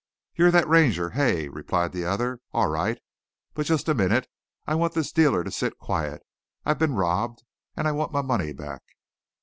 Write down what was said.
"You're thet Ranger, hey?" replied the other. "All right! But just a minute. I want this dealer to sit quiet. I've been robbed. And I want my money back."